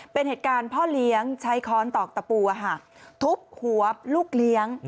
เป็นเหตุการณ์พ่อเลี้ยงใช้ค้อนตอกตะปูทุบหัวลูกเลี้ยง